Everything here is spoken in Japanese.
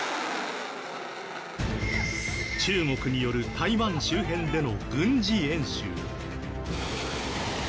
中国による台湾周辺での軍事演習。